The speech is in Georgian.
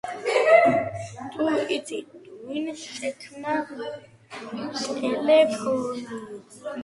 მდებარეობს პოლტავის ოლქის გადიაჩის რაიონში.